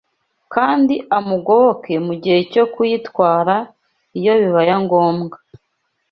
kandi amugoboke mu gihe cyo kuyitwara iyo bibaya ngombwa.